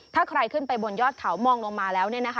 ถ้าใครขึ้นไปบนยอดเขามองลงมาแล้วเนี่ยนะคะ